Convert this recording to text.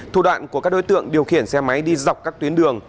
thủ đoạn của các đối tượng điều khiển xe máy đi dọc các tuyến đường